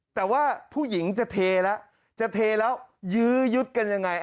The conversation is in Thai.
แต่ว่าผู้หญิงจะเทแล้วจะเทแล้วยื้อยุดกันยังไง